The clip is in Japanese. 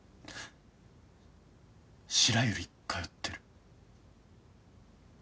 白百合通ってる。